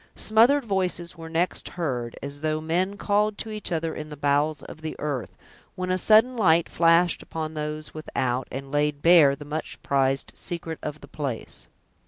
Smothered voices were next heard, as though men called to each other in the bowels of the earth, when a sudden light flashed upon those without, and laid bare the much prized secret of the place.